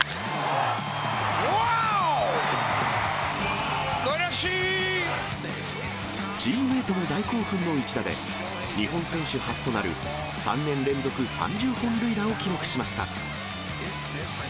ワオ、チームメートも大興奮の一打で、日本選手初となる３年連続３０本塁打を記録しました。